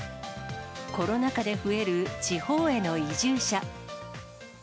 コロナ禍で増える地方への移住者。